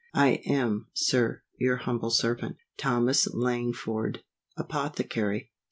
I am, Sir, Your humble servant, THOMAS LANGFORD, Apothecary.